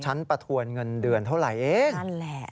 ชั้นประถวนเงินเดือนเท่าไหร่เอง